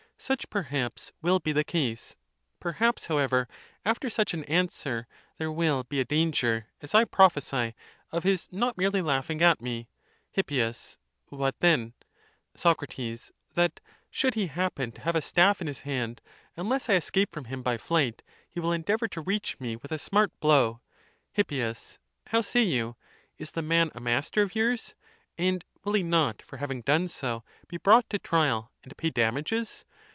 Such perhaps will be the case; perhaps, however, after such an answer, there will be a danger, as I prophesy, of his not merely laughing at me. Hip. What then ? Soc. That, should he happen to have a staff in his hand, unless I escape from him by flight, he will endeavour to reach me with a smart blow. ip. How say you? Is the man a master of yours? and will he not, for having done so, be brought to trial, and pay damages?